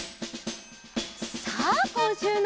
さあこんしゅうの。